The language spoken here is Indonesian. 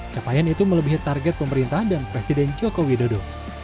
capaian itu melebihi target pemerintah dan presiden joko widodo